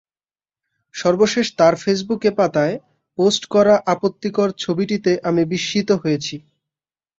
সর্বশেষ তাঁর ফেসবুকে পাতায় পোস্ট করা আপত্তিকর ছবিটিতে আমি বিস্মিত হয়েছি।